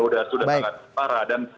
sudah sangat parah dan